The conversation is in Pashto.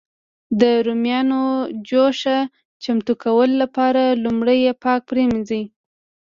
د رومیانو جوشه چمتو کولو لپاره لومړی یې پاک پرېمنځي.